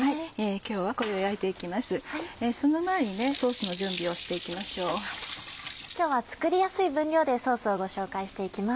今日は作りやすい分量でソースをご紹介していきます。